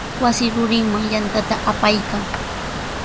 Wasi rurinman yantata apaykan.